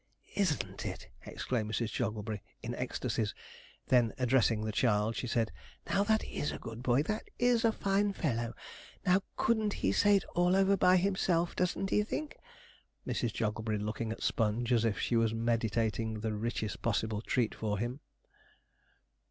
'Isn't it!' exclaimed Mrs. Jogglebury, in ecstasies; then addressing the child, she said, 'Now that is a good boy that is a fine fellow. Now couldn't he say it all over by himself, doesn't he think?' Mrs. Jogglebury looking at Sponge, as if she was meditating the richest possible treat for him.